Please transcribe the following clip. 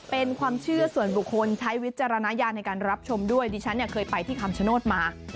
เป็นความเชื่อส่วนผลคล้นในวิจารณญาณด้วยที่เคยไปที่ต้นชะโนธมา